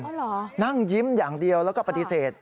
นั่งยิ้มอย่างเดียวแล้วก็ปฏิเสธ